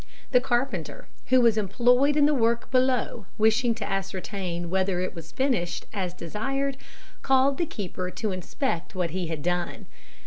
The carpenter, who was employed in the work below, wishing to ascertain whether it was finished as desired, called the keeper to inspect what he had done.